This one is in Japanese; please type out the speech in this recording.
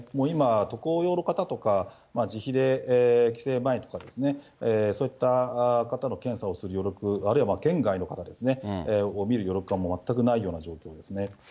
今、渡航用の方とか自費で帰省前とかですね、そういった方の検査をする余力、あるいは県外の方ですね、を診る余力感は全くないような状況ですね。